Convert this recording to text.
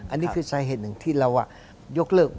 อันนี้คือสาเหตุหนึ่งที่เรายกเลิก